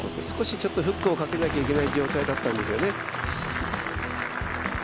少しフックをかけなければいけない状態だったんですがね。